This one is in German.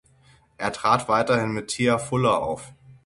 Er trat weiterhin mit Tia Fuller auf.